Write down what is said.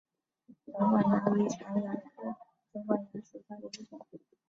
肿管蚜为常蚜科肿管蚜属下的一个种。